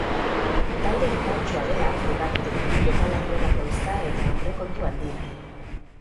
Talde indartsua dela frogatu du, jokalari onak dauzka eta aurrekontu handia.